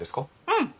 うん。